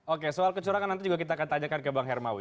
oke soal kecurangan nanti juga kita akan tanyakan ke bang hermawi